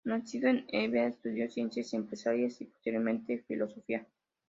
Nacido en Eibar, estudió Ciencias Empresariales y posteriormente Filosofía.